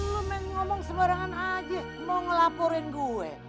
lo main ngomong sembarangan aja mau ngelaporin gue